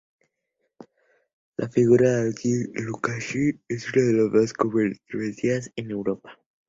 La figura de Aleksandr Lukashenko es una de las más controvertidas en Europa.